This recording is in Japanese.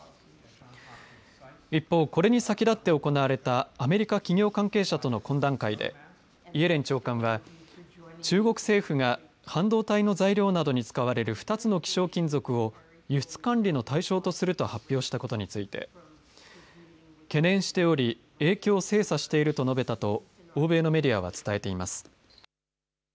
一方、これに先立って行われたアメリカ企業関係者との懇談会でイエレン長官は中国政府が半導体の材料などに使われる２つの希少金属を輸出管理の対象とすると発表したことについて懸念しており影響を精査していると述べたと欧米のメディアは伝えています。